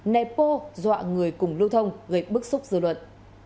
nẹp bô dọa người cùng lưu thông gây bức xúc dư luận